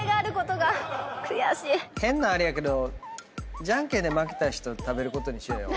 変なあれやけどじゃんけんで負けた人食べることにしようよ。